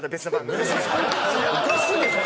おかしいでしょ！